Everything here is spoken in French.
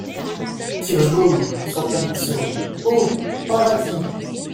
Kirschbaum, sans conviction. — Oh ! paradis !